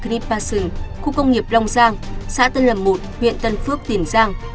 kipasung khu công nghiệp long giang xã tân lập một huyện tân phước tiền giang